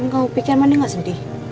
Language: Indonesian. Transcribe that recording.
kamu pikir emang dia gak sedih